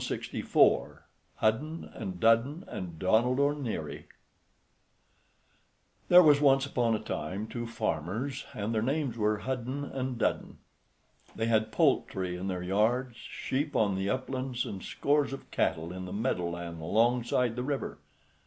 HUDDEN AND DUDDEN AND DONALD O'NEARY ADAPTED BY JOSEPH JACOBS There was once upon a time two farmers, and their names were Hudden and Dudden. They had poultry in their yards, sheep on the uplands, and scores of cattle in the meadow land alongside the river.